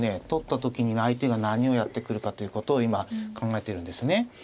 取った時に相手が何をやってくるかということを今考えてるんですね。